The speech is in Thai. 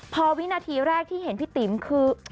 พอวินาทีแรกที่เห็นพี่ติ๋มคือ